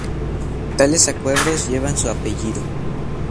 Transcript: Tales acuerdos llevan su apellido.